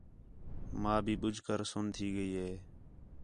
ماں بھی ٻُجھ کر سُن تھی ڳئی ہے